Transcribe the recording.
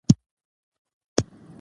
تاسو پوهېږئ چې خج څه مانا لري؟